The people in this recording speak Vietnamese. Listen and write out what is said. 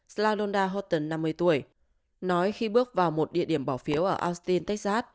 slalonda houghton năm mươi tuổi nói khi bước vào một địa điểm bỏ phiếu ở austin texas